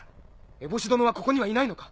エボシ殿はここにはいないのか？